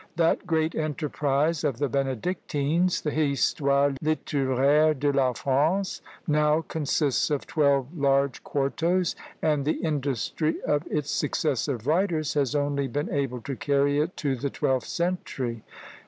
That great enterprise of the Benedictines, the "Histoire Litéraire de la France," now consists of twelve large quartos, and the industry of its successive writers has only been able to carry it to the twelfth century.